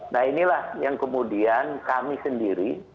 nah inilah yang kemudian kami sendiri